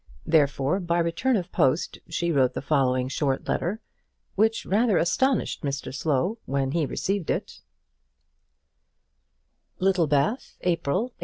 Therefore, by return of post, she wrote the following short letter, which rather astonished Mr Slow when he received it Littlebath, April, 186